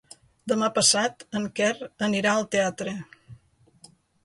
Demà passat en Quer anirà al teatre.